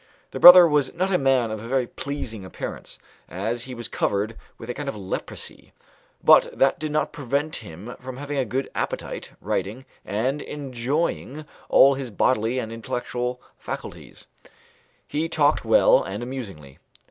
The brother was not a man of a very pleasing appearance, as he was covered with a kind of leprosy; but that did not prevent him having a good appetite, writing, and enjoying all his bodily and intellectual faculties; he talked well and amusingly.